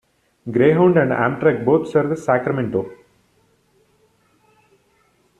Greyhound and Amtrak both serve Sacramento.